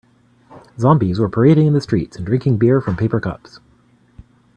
Zombies were parading in the streets and drinking beer from paper cups.